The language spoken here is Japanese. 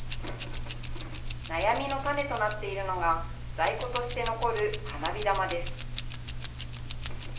悩みの種となっているのが、在庫として残る花火玉です。